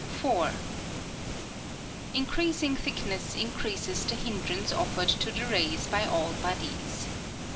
4. Increasing thickness increases the hindrance offered to the rays by all bodies.